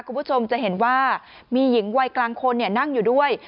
คุณผู้ชมจะเห็นว่ามีหญิงวัยกลางคนนั่งอยู่ด้วย